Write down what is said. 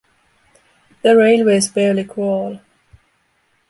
The railways barely crawl.